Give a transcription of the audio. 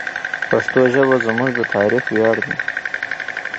پښتو ژبه زموږ د تاریخ ویاړ دی.